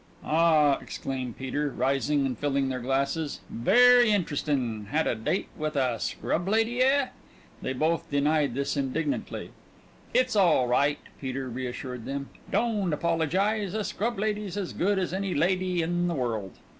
"Ah," exclaimed Peter, rising and filling their glasses, "very interestin'. Had a date with a scrublady, eh?" They both denied this indignantly. "It's all right," Peter reassured them, "don't apologize. A scrublady's as good as any lady in the world.